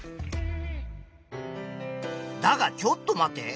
だがちょっと待て。